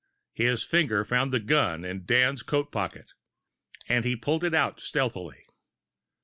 His finger found the gun in Dan's coat pocket; and he pulled it out stealthily.